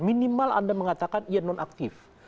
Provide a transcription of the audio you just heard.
minimal anda mengatakan ia nonaktif